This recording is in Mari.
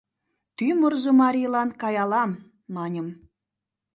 Тӱмырзӧ марийлан каялам, маньым, -